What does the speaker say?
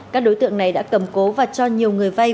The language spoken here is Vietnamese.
các đối tượng này đã cầm cố và cho nhiều người vay